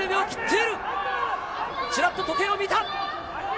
ちらっと時計を見た！